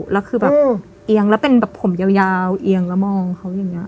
แล้วคือแบบเอียงแล้วเป็นแบบผมยาวเอียงแล้วมองเขาอย่างนี้